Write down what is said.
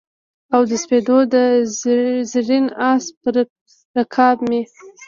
او د سپېدو د زرین آس پر رکاب مې